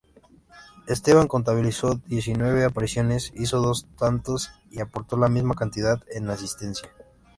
Esteban contabilizó diecinueve apariciones, hizo dos tantos y aportó la misma cantidad en asistencias.